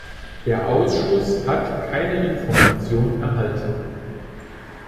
Der Ausschuss hat keine Information erhalten!